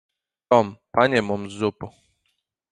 Tom. Paņem mums zupu.